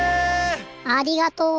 ありがとう！